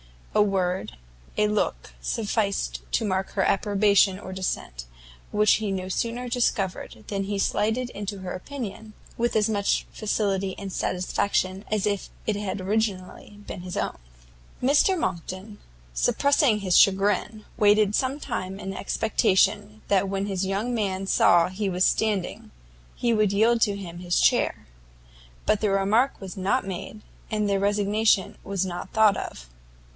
A word, a look sufficed to mark her approbation or dissent, which he no sooner discovered, than he slided into her opinion, with as much facility and satisfaction as if it had originally been his own. Mr Monckton, suppressing his chagrin, waited some time in expectation that when this young man saw he was standing, he would yield to him his chair: but the remark was not made, and the resignation was not thought of.